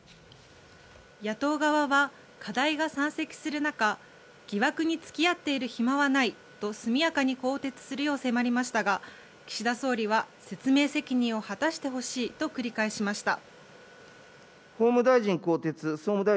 野党側は課題が山積する中疑惑に付き合っている暇はないと速やかに更迭するよう迫りましたが岸田総理は説明責任を果たしてほしいと繰り返しました。